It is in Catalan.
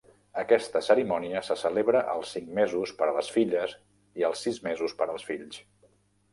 Aquesta cerimònia se celebra als cinc mesos per a les filles i als sis mesos per als fills.